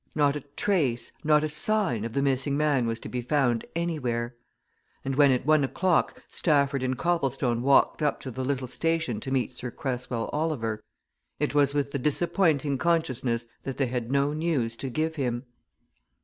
Not a trace, not a sign of the missing man was to be found anywhere. And when, at one o'clock, Stafford and Copplestone walked up to the little station to meet Sir Cresswell Oliver, it was with the disappointing consciousness that they had no news to give him.